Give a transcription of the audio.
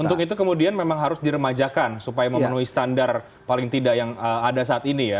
untuk itu kemudian memang harus diremajakan supaya memenuhi standar paling tidak yang ada saat ini ya